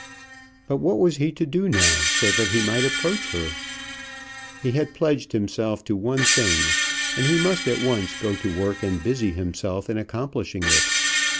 But what was he to do now, so that he might approach her? He had pledged himself to one thing, and he must at once go to work and busy himself in accomplishing it.